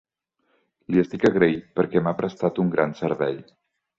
Li estic agraït perquè m'ha prestat un gran servei.